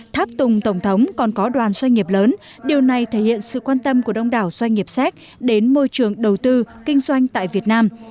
tháp tùng tổng thống còn có đoàn doanh nghiệp lớn điều này thể hiện sự quan tâm của đông đảo doanh nghiệp séc đến môi trường đầu tư kinh doanh tại việt nam